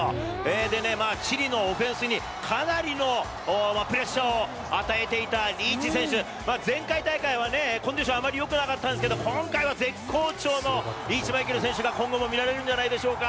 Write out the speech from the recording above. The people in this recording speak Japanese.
でね、チリのオフェンスにかなりのプレッシャーを与えていたリーチ選手、前回大会はね、コンディションあまりよくなかったんですけど、今回は絶好調のリーチマイケル選手が、今後も見られるんじゃないでしょうか。